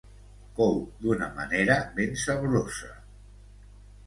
Cou d'una manera ben saborosa.